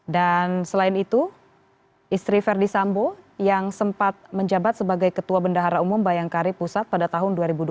dan selain itu istri ferdi sambo yang sempat menjabat sebagai ketua bendahara umum bayangkari pusat pada tahun dua ribu dua puluh